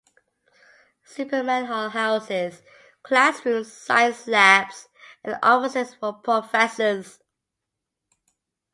Simperman Hall houses classrooms, science labs, and offices for professors.